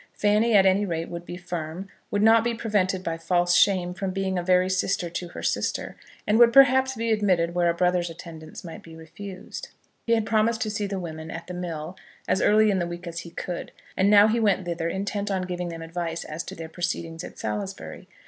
Fanny at any rate would be firm; would not be prevented by false shame from being a very sister to her sister; and would perhaps be admitted where a brother's attendance might be refused. He had promised to see the women at the mill as early in the week as he could, and now he went thither intent on giving them advice as to their proceedings at Salisbury.